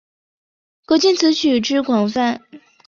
可见此曲之广泛。